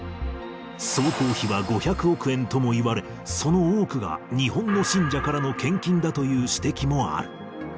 総工費は５００億円ともいわれ、その多くが日本の信者からの献金だという指摘もある。